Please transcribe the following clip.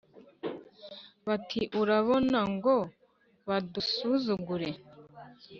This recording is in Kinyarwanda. bati'urabona ngo badusuzugure